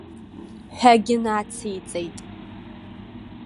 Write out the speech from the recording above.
Ҳәагьы нациҵеит.